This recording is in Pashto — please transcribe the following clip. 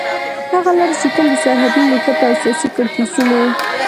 هغه لارې چې تل د سرحدي نښتو او سياسي کړکېچونو